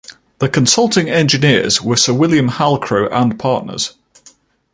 The consulting engineers were Sir William Halcrow and Partners.